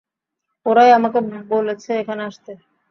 ওরাই আমাকে বলেছে এখানে আসতে।